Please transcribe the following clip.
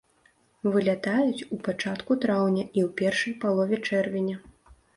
Вылятаюць у пачатку траўня і ў першай палове чэрвеня.